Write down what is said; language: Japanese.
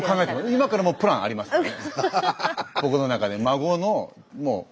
今からもうプランありますからね。